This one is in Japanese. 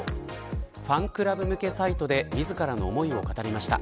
ファンクラブ向けサイトで自らの思いを語りました。